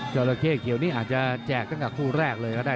จราเข้เขียวนี้อาจจะแจกตั้งแต่คู่แรกเลยก็ได้